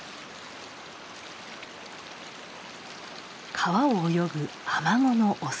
川を泳ぐアマゴのオス。